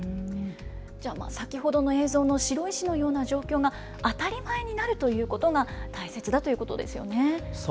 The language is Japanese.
先ほどの映像の白井市のような状況が当たり前になるということが大切だということですよね。